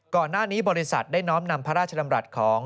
ก่อนหน้านี้บริษัทได้น้อมนำพระราชดำรัฐของ